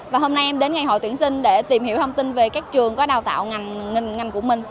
và hôm nay em đến ngày hội tuyển sinh để tìm hiểu thông tin về các trường có đào tạo ngành của mình